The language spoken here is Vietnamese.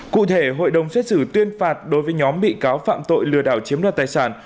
cụ thể hội đồng xét xử tuyên phạt đối với nhóm bị cáo phạm tội lừa đảo chiếm đoạt tài sản